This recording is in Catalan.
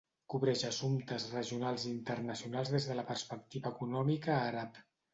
Cobreix assumptes regionals i internacionals des de la perspectiva econòmica àrab.